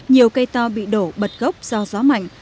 nhiều cây to bị đổ bật gốc do gió mạnh